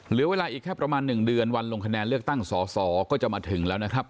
เหลือเวลาอีกแค่ประมาณ๑เดือนวันลงคะแนนเลือกตั้งสอสอก็จะมาถึงแล้วนะครับ